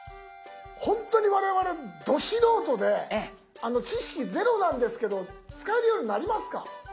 ほんとに我々ど素人で知識ゼロなんですけど使えるようになりますか？